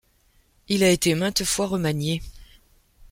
Il a été maintes fois remanié.